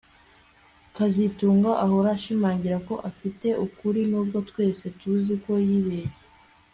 kazitunga ahora ashimangira ko afite ukuri nubwo twese tuzi ko yibeshye